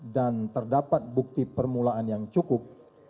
dan terdapat bukti permulaan yang cukup